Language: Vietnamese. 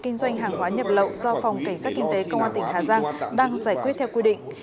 kinh doanh hàng hóa nhập lậu do phòng cảnh sát kinh tế công an tỉnh hà giang đang giải quyết theo quy định